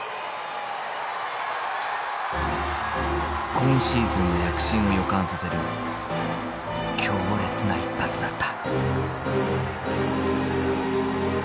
今シーズンの躍進を予感させる強烈な一発だった。